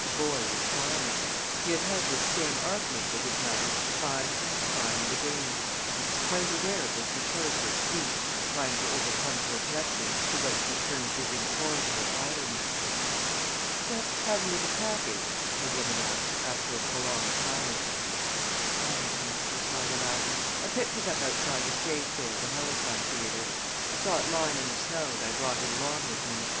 The boy was silent. He had had this same argument with his mother time and time and again, and he was quite aware of the futility of speech in trying to overcome her objections to what she termed his incorrigible idleness. "What have you in the package?" the woman asked, after a prolonged silence. "I don't know," replied Aladdin. "I picked it up outside the stage door of the Helicon Theatre. I saw it lying in the snow and I brought it along with me.